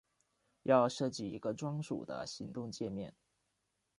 要设计一个专属的行动介面